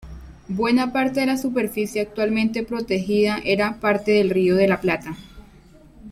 Buena parte de la superficie actualmente protegida era parte del Río de la Plata.